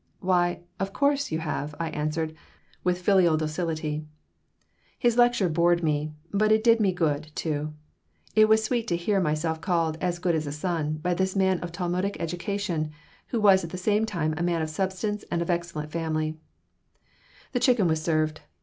"Why, of course, you have!" I answered, with filial docility His lecture bored me, but it did me good, too. It was sweet to hear myself called "as good as a son" by this man of Talmudic education who was at the same time a man of substance and of excellent family The chicken was served.